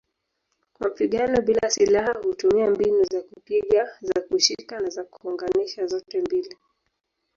Mapigano bila silaha hutumia mbinu za kupiga, za kushika na za kuunganisha zote mbili.